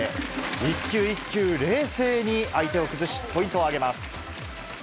一球一球、冷静に相手を崩し、ポイントを挙げます。